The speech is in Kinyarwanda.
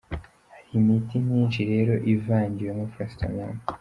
Hari imiti myinshi rero ivangiyemo paracetamol:.